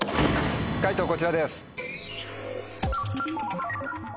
解答こちらです。